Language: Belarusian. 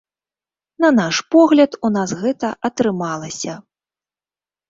На наш погляд, у нас гэта атрымалася.